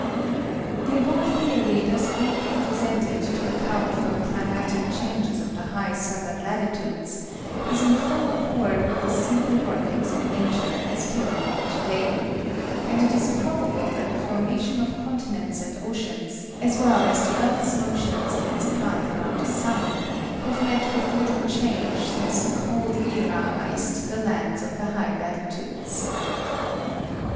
The above theory thus briefly presented to account for the climatic changes of the high southern latitudes is in full accord with the simple workings of nature as carried on to day; and it is probable that the formation of continents and oceans, as well as the earth's motions in its path around the sun, have met with little change since the cold era iced the lands of the high latitudes.